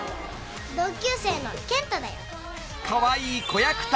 「同級生のケン太だよ」